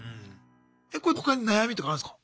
え他に悩みとかあるんすか？